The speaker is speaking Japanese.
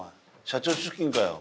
社長出勤かよ。